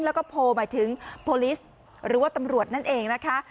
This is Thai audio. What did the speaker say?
แล้วก็โพลหมายถึงโพลิสหรือว่าตำรวจนั่นเองนะคะ